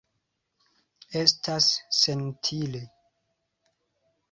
Estas senutile.